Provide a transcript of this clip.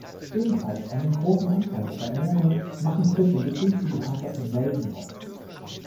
Ebenfalls einen großen Anteil ihrer Ernährung machen Fische bis hin zu gepanzerten Welsen aus.